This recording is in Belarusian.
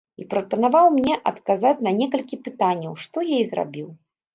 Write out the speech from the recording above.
І прапанаваў мне адказаць на некалькі пытанняў, што я і зрабіў.